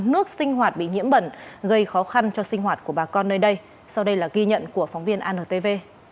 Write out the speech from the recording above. nước sinh hoạt bị nhiễm bẩn gây khó khăn cho sinh hoạt của bà con nơi đây sau đây là ghi nhận của phóng viên antv